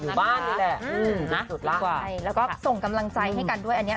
อยู่บ้านดีแหละอืมสุดสุดละใช่แล้วก็ส่งกำลังใจให้กันด้วยอันเนี้ย